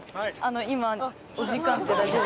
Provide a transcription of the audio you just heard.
今お時間って大丈夫ですか？